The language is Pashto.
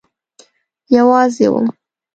یوازی وم